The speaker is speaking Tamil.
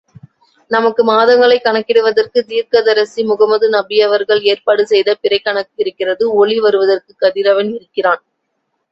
நமக்கு மாதங்களைக் கணக்கிடுவதற்கு தீர்க்கதரிசி முகமது நபியவர்கள் ஏற்பாடு செய்த பிறைக்கணக்கு இருக்கிறது, ஒளி வருவதற்குக் கதிரவன் இருக்கிறான்.